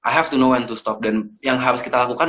i have to know when to stop dan yang harus kita lakukan